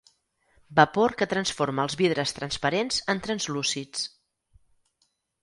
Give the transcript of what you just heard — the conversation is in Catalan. Vapor que transforma els vidres transparents en translúcids.